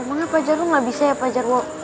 emangnya pak jarwo gak bisa ya pak jarwo